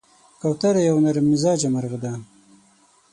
کوتره یو نرممزاجه مرغه ده.